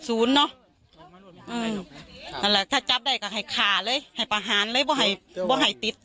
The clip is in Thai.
สูญเนอะอืมถ้าจับได้ก็ให้ขาเลยให้ประหารเลยเพราะให้ติด